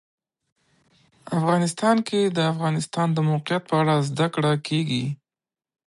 افغانستان کې د د افغانستان د موقعیت په اړه زده کړه کېږي.